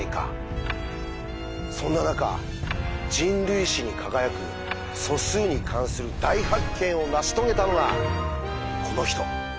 そんな中人類史に輝く素数に関する大発見を成し遂げたのがこの人！